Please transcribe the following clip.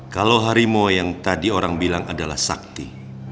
kalau harimau yang tadi orang bilang adalah sakti